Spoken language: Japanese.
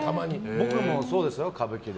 僕もそうですよ、歌舞伎で。